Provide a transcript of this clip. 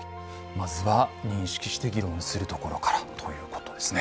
まずは認識して議論するところからということですね。